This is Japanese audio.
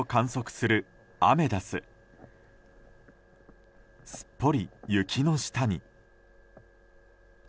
すっぽり雪の下に。